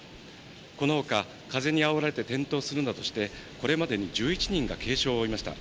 この他、風にあおられて転倒するなどして、これまでに１１人が軽傷を負いました。